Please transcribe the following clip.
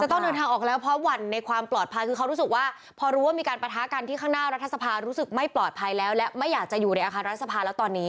ต้องเดินทางออกแล้วเพราะหวั่นในความปลอดภัยคือเขารู้สึกว่าพอรู้ว่ามีการประทะกันที่ข้างหน้ารัฐสภารู้สึกไม่ปลอดภัยแล้วและไม่อยากจะอยู่ในอาคารรัฐสภาแล้วตอนนี้